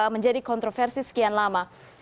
menjadi kontroversi sekian lama